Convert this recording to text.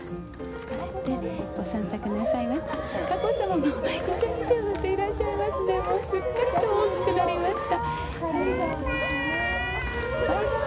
ご散策なさいました。